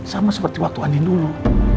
sama seperti waktu anin dulu